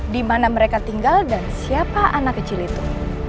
di mana mereka tinggal dan siapa anak kecil itu